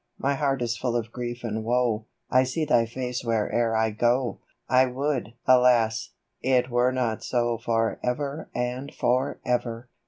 My heart is full of grief and woe, I see thy face where'er I go; I would, alas ! it were not so For ever and for ever